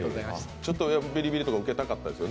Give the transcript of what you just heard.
ちょっとビリビリとか受けたかったですよね？